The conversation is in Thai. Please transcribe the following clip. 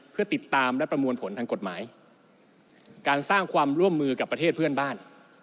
เพื่อติดตามและประมวลผลทางกฎหมายการสร้างความร่วมมือกับประเทศเพื่อนบ้าน